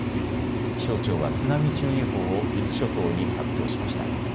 気象庁は津波注意報を伊豆諸島に発表しました。